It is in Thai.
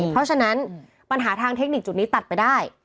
เพราะฉะนั้นปัญหาทางเทคนิคจุดนี้ตัดไปได้